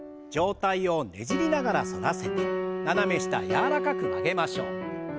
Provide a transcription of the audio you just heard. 上体をねじりながら反らせて斜め下柔らかく曲げましょう。